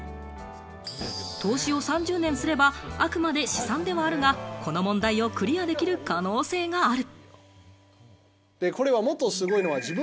投資を３０年すれば、あくまで試算ではあるが、この問題をクリアできる可能性がある。